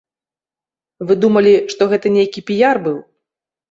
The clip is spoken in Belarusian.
Вы думалі, што гэта нейкі піяр быў?